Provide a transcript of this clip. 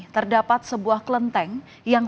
terdapat sebuah kelenteng yang